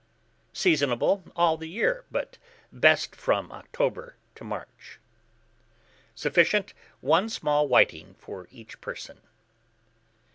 Seasonable all the year, but best from October to March. Sufficient, 1 small whiting for each person.